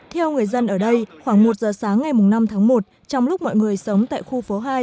theo người dân ở đây khoảng một giờ sáng ngày năm tháng một trong lúc mọi người sống tại khu phố hai